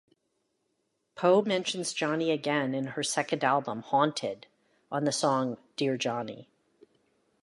Poe mentions Johnny again in her second album, "Haunted", on the song "Dear Johnny".